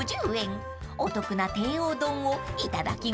［お得な帝王丼をいただきます］